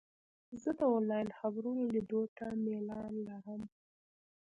زه د انلاین خپرونو لیدو ته میلان لرم.